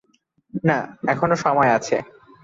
না, এখনো সময় আছে।